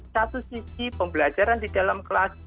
satu sisi pembelajaran di dalam kelas